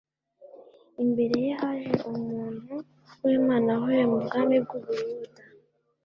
imbere ye haje umuntu wImana avuye mu bwami bwUbuyuda